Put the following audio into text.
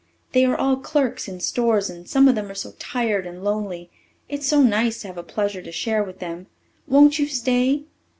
They are all clerks in stores and some of them are so tired and lonely. It's so nice to have a pleasure to share with them. Won't you stay?"